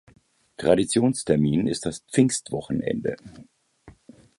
Traditionstermin ist das Pfingstwochenende.